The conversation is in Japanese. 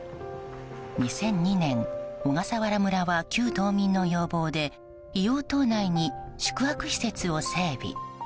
２００２年、小笠原村は旧島民の要望で硫黄島内に宿泊施設を整備。